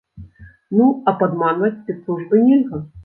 Ну, а падманваць спецслужбы нельга!